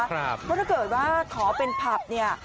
เพราะถ้าเกิดว่าขอเป็นผับเนี่ย